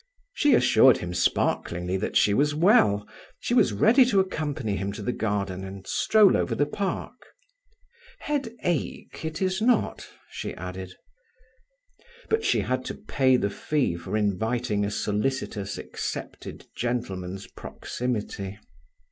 She assured him sparklingly that she was well. She was ready to accompany him to the garden and stroll over the park. "Headache it is not," she added. But she had to pay the fee for inviting a solicitous accepted gentleman's proximity.